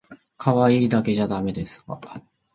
かわいいだけじゃだめですか？